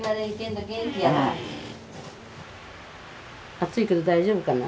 暑いけど大丈夫かな？